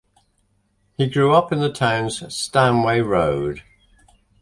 He grew up in the town's Stanway Road.